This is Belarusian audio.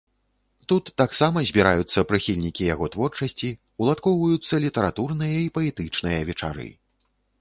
Тут таксама збіраюцца прыхільнікі яго творчасці, уладкоўваюцца літаратурныя і паэтычныя вечары.